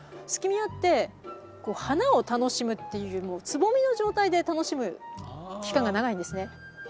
スキミアって花を楽しむっていうよりもつぼみの状態で楽しむ期間が長いんですね。